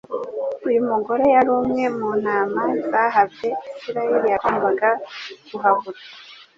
Uyu mugore yari umwe mu ntama zahabye Isiraeli yagombaga guhabura.